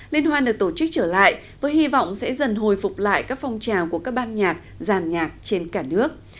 liên hoan được tổ chức trở lại với hy vọng sẽ dần hồi phục lại các phong trào của các ban nhạc giàn nhạc trên cả nước